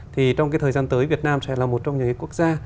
thì trong cái thời gian tới việt nam sẽ là một trong những quốc gia